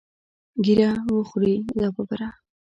ږیره وخورې دا ببره.